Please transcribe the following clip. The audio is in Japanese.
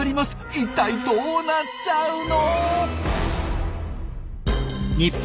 一体どうなっちゃうの！？